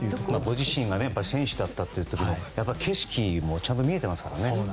ご自身が選手だったということで景色も見えていますからね。